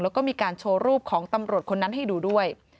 แล้วก็มีการโชว์รูปของตำรวจคนนั้นให้ดูด้วย